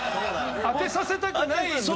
当てさせたくない体で。